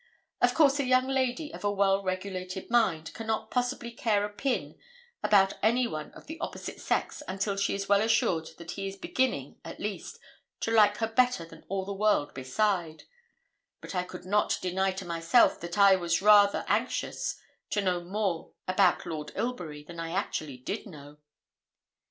Of course, a young lady of a well regulated mind cannot possibly care a pin about any one of the opposite sex until she is well assured that he is beginning, at least, to like her better than all the world beside; but I could not deny to myself that I was rather anxious to know more about Lord Ilbury than I actually did know.